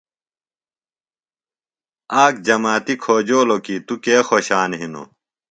آک جماتیۡ کھوجولوۡ کی تُوۡ کے خوشان ہِنوۡ۔